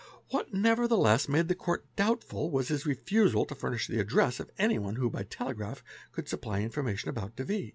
What nevertheless made the Court doubtful was his refusal to furnish the address of anyone who by telegraph could sup ply information about de V.